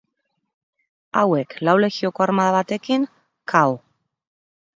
Hauek lau legioko armada batekin k. o.